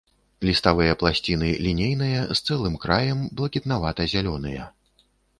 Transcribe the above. Ліставыя пласціны лінейныя, з цэлым краем, блакітнавата-зялёныя.